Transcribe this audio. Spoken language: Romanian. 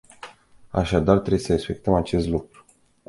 Așadar trebuie să respectăm acest lucru.